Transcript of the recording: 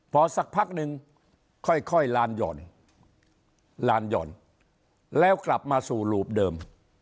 พอสักพักหนึ่งค่อยลานหย่อนลานหย่อนแล้วกลับมาสู่รูปเดิม